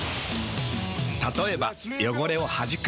たとえば汚れをはじく。